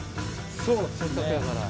せっかくやから。